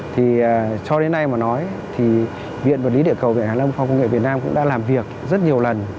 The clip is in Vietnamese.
thì cho đến nay mà nói thì viện vật lý địa cầu việt nam cũng đã làm việc rất nhiều lần